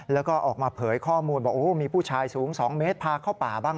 แล้วก็ออกมาเผยข้อมูลบอกโอ้มีผู้ชายสูง๒เมตรพาเข้าป่าบ้าง